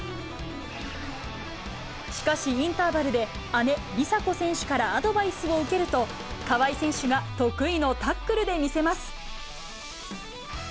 しかし、インターバルで姉、梨紗子選手からアドバイスを受けると、川井選手が得意のタックルで見せます。